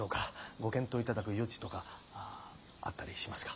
ご検討頂く余地とかあったりしますか？